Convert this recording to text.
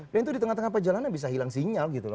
dan itu di tengah tengah perjalanan bisa hilang sinyal gitu loh